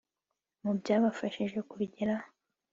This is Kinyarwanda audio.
Mu byabafashije kubigeraho